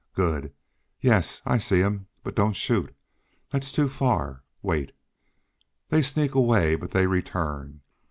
Good! Yes, I see him, but don't shoot. That's too far. Wait. They sneak away, but they return.